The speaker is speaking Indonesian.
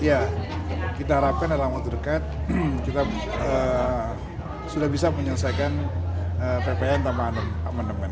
ya kita harapkan dalam waktu dekat kita sudah bisa menyelesaikan ppn tanpa amandemen